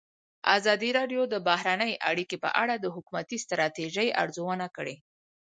ازادي راډیو د بهرنۍ اړیکې په اړه د حکومتي ستراتیژۍ ارزونه کړې.